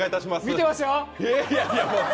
見てますよ！